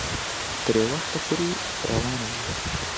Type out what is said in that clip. تر يو وخته پورې روانه وه